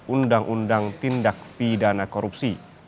undang undang tindak pidana korupsi